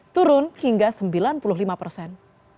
turun hingga sembilan puluh lima persen